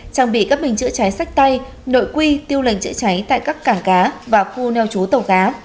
trang bị các bình chữa cháy sách tay nội quy tiêu lệnh chữa cháy tại các cảng cá và khu neo chú tàu cá